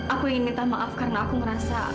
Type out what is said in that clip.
aku ingin minta maaf karena aku merasa